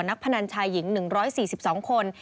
พนันชายหญิง๑๔๒คน